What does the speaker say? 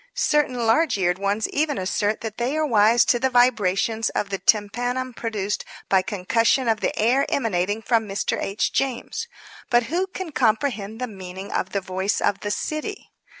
Certain large eared ones even assert that they are wise to the vibrations of the tympanum produced by concussion of the air emanating from Mr. H. James. But who can comprehend the meaning of the voice of the city?